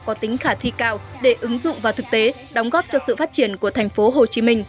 có tính khả thi cao để ứng dụng và thực tế đóng góp cho sự phát triển của tp hcm